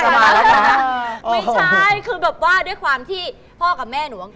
ไม่ใช่คือด้วยความที่พ่อกับแม่หนู